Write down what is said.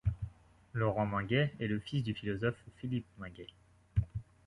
Laurent Minguet est le fils du philosophe Philippe Minguet.